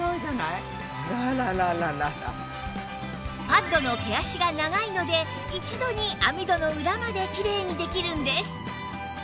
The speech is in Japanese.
パッドの毛足が長いので一度に網戸の裏まできれいにできるんです